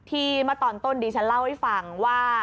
ที่มาตอนต้นดีฉันเล่าให้ฟังว่า